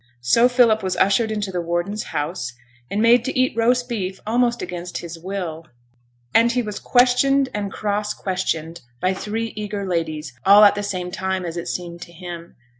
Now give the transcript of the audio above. So Philip was ushered into the warden's house and made to eat roast beef almost against his will; and he was questioned and cross questioned by three eager ladies, all at the same time, as it seemed to him.